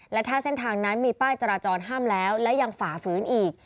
และถ้าเส้นทางนั้นมีป้ายจราจรห้ามแล้วและยังฝ่าฝืนอีก